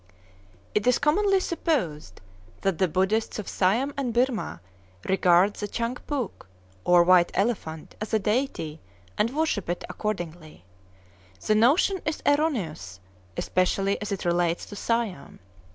It is commonly supposed that the Buddhists of Siam and Birmah regard the Chang Phoouk, or white elephant, as a deity, and worship it accordingly. The notion is erroneous, especially as it relates to Siam.